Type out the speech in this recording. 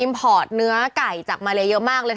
พอร์ตเนื้อไก่จากมาเลเยอะมากเลย